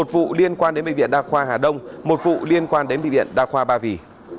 một vụ liên quan đến bệnh viện đa khoa hà đông một vụ liên quan đến bệnh viện đa khoa ba vì